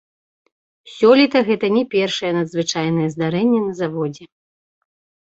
Сёлета гэта не першае надзвычайнае здарэнне на заводзе.